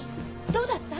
どうだった？